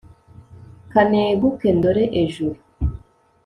ka neguke ndore ejuru